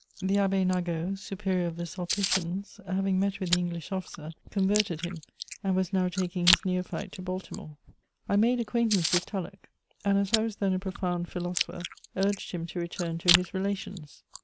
The Abb^ Nagault, Superior of the Sulpicians, having met with the English officer, converted him; and was now taking his neophyte to Baltimore. I made acquaintance with Tulloch ; and as I was then a pro found philosopher, urged him to return to his relations.